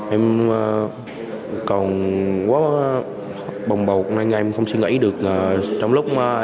em còn quá bồng bầu nên em không suy nghĩ được trong lúc em bị đánh như thế này